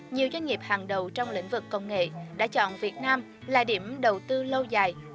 nhiều doanh nghiệp hàng đầu trong lĩnh vực công nghệ đã chọn việt nam là điểm đầu tư lâu dài